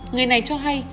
người này cho hay